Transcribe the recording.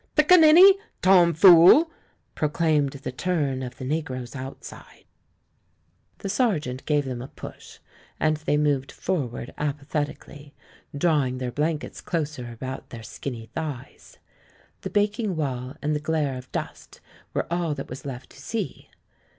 Piccanini! Tom Fool!" pro claimed the turn of the negroes outside. The 88 THE MAN WHO UNDERSTOOD WOMEN Serjeant gave them a push, and they moved for ward apathetically, drawing their blankets closer about their skinny thighs. The baking wall and the glare of dust were all that was left to see.